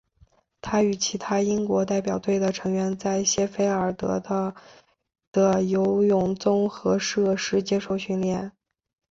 他与其他英国代表队的成员在谢菲尔德的的游泳综合设施接受训练。